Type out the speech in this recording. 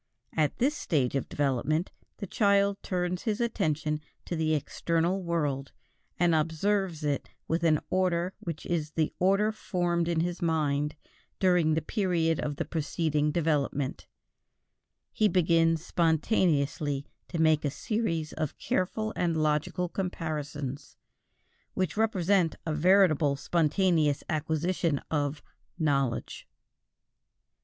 At this stage of development, the child turns his attention to the external world, and observes it with an order which is the order formed in his mind during the period of the preceding development; he begins spontaneously to make a series of careful and logical comparisons which represent a veritable spontaneous acquisition of "knowledge."